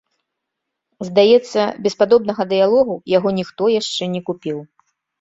Здаецца, без падобнага дыялогу яго ніхто яшчэ не купіў.